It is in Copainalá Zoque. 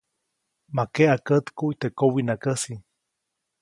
Ma keʼa kätkuʼy teʼ kowiʼnakäjsi.